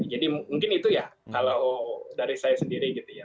jadi mungkin itu ya kalau dari saya sendiri gitu ya